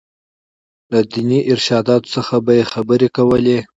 له ديني ارشاداتو څخه به یې خبرې کولې.